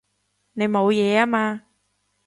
你冇嘢啊嘛？